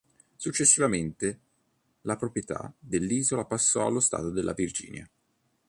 Successivamente, la proprietà dell'isola passò allo stato della Virginia.